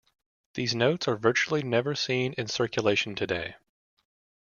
These notes are virtually never seen in circulation today.